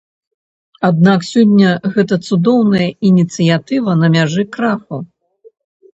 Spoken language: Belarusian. Аднак сёння гэта цудоўная ініцыятыва на мяжы краху.